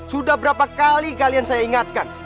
sudah berapa kali kalian saya ingatkan